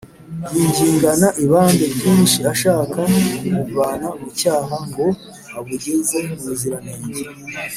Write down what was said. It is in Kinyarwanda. yingingana ibambe ryinshi ashaka kubuvana mu cyaha ngo abugeze mu buziranenge